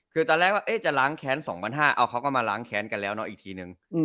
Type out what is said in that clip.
ก็ว่าคุณหรือว่านี่จะล้างแค้น๒๐๐๕เขาก็มาล้างแค้นกันแล้วเนอะอีกทีหนึ่ง